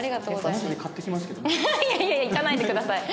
いやいや行かないでください。